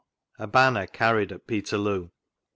— A BANNER CARRIED AT PETERLOO.